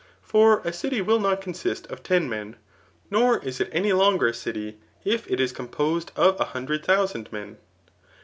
For a city wilt not consist qf ten men^ nor is it amf longer a city if it is composed qf a himdred thousand men.